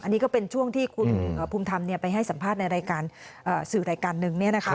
อันนี้ก็เป็นช่วงที่คุณภูมิธรรมไปให้สัมภาษณ์ในรายการสื่อรายการหนึ่ง